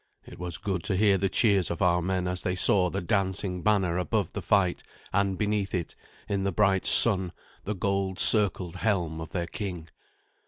It was good to hear the cheers of our men as they saw the dancing banner above the fight, and beneath it, in the bright sun, the gold circled helm of their king.